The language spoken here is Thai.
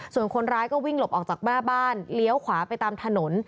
ส่วนคนร้ายก็วิ่งหลบออกจากหน้าบ้านเลี้ยวขวาไปตามถนน